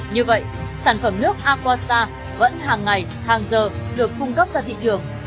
như vậy sản phẩm nước aquasta vẫn hàng ngày hàng giờ được cung cấp ra thị trường